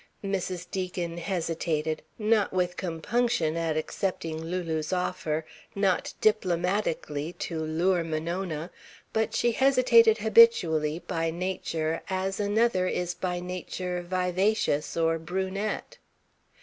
Mrs. Deacon hesitated, not with compunction at accepting Lulu's offer, not diplomatically to lure Monona. But she hesitated habitually, by nature, as another is by nature vivacious or brunette.